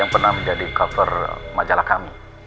yang pernah menjadi cover majalah kami